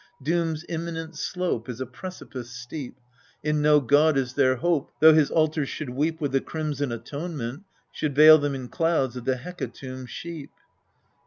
Doom's imminent slope Is a precipice steep. In no god is there hope, Though his altars should weep With the crimson atonement, should veil them in clouds of the hecatomb sheep.